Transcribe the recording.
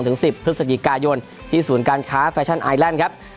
ถึงสิบเพื่อเศษกิจกายนทร์ที่ศูนย์การค้าแฟชั่นไอเล่นครับ